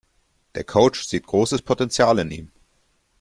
Der Coach sieht großes Potenzial in ihm.